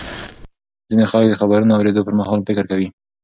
ځینې خلک د خبرونو اورېدو پر مهال فکر کوي.